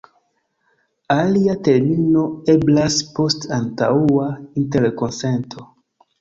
Alia termino eblas post antaŭa interkonsento.